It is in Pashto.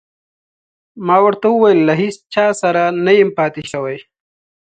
ما ورته وویل: له هیڅ چا سره نه یم پاتې شوی.